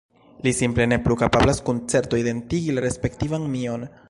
Li simple ne plu kapablas kun certo identigi la respektivan mion.